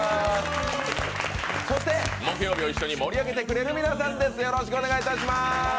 そして木曜日を一緒に盛り上げてくれる皆さんです。